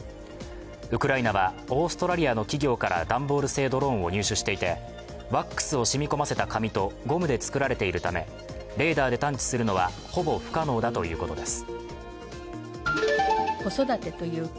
ウクライナはオーストラリアの企業から段ボール製ドローンを入手していてワックスを染み込ませた紙とゴムで作られているためレーダーで探知するのはほぼ不可能だということです。